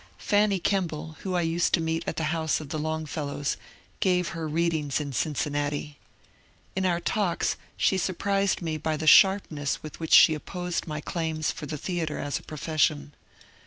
Fanny Kemble, whom I used to meet at the house of the Longfellows, gave her readings in Cincinnati. In our talks she surprised me by the sharpness with which she opposed my claims for the theatre as a profession.